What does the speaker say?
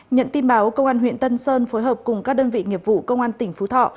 nhận tin báo công an huyện tân sơn phối hợp cùng các đơn vị nghiệp vụ công an tỉnh phú thọ